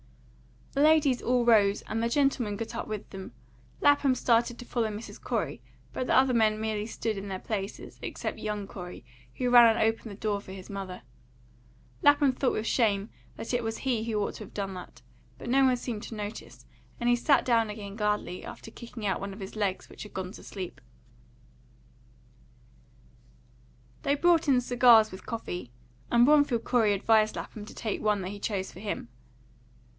The ladies all rose, and the gentlemen got up with them. Lapham started to follow Mrs. Corey, but the other men merely stood in their places, except young Corey, who ran and opened the door for his mother. Lapham thought with shame that it was he who ought to have done that; but no one seemed to notice, and he sat down again gladly, after kicking out one of his legs which had gone to sleep. They brought in cigars with coffee, and Bromfield Corey advised Lapham to take one that he chose for him.